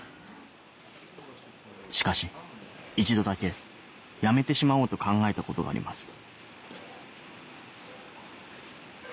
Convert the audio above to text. しかし一度だけやめてしまおうと考えたことがあります